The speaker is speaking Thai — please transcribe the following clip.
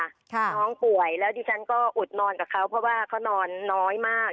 น้องป่วยแล้วดิฉันก็อุดนอนกับเขาเพราะว่าเขานอนน้อยมาก